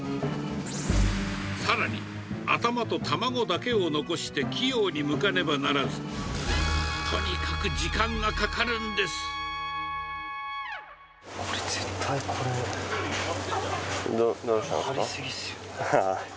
さらに、頭と卵だけを残して器用に向かねばならず、とにかく時間がかかるこれ、絶対にこれ、かかり過ぎっす。